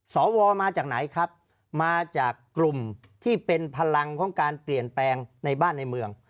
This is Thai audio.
สวมาจากไหนครับมาจากกลุ่มที่เป็นพลังของการเปลี่ยนแปลงในบ้านในเมือง